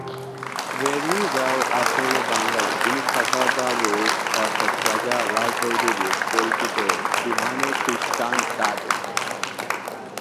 Gregory Rao আসলে বাঙালি, যিনি কাকাবাবু অর্থাৎ রাজা রায়চৌধুরীর পরিচিত বিমানের খৃষ্টান দাদু।